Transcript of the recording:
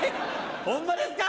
ホンマですか？